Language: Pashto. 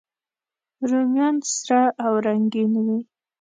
رومیان سره او رنګین وي